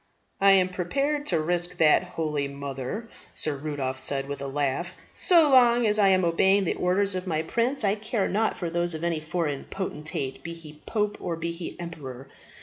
"I am prepared to risk that, holy mother," Sir Rudolph said, with a laugh. "So long as I am obeying the orders of my prince, I care nought for those of any foreign potentate, be he pope or be he emperor.